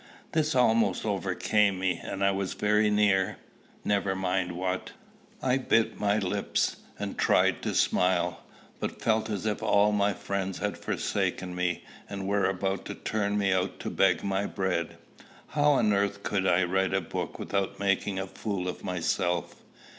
This almost overcame me, and I was very near, never mind what. I bit my lips, and tried to smile, but felt as if all my friends had forsaken me, and were about to turn me out to beg my bread. How on earth could I write a book without making a fool of myself?